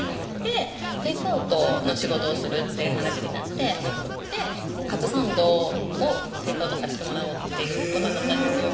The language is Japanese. テークアウトの仕事をするって話になって「カツサンド」をテークアウトさしてもらおうっていうことになったんですよ